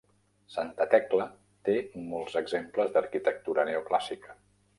Santa Tecla té molts exemples d'arquitectura neoclàssica.